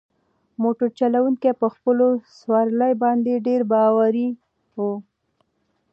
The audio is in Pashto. موټر چلونکی په خپلو سوارلۍ باندې ډېر باوري و.